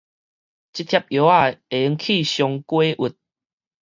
這帖藥仔會用得去傷解鬱